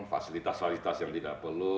fasilitas fasilitas yang tidak perlu